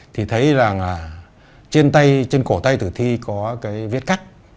thì thấy là trên tay trên cổ tay tử thi có cái vết cắt